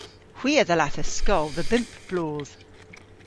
Hwi a dhallathas skol dhe bymp bloodh.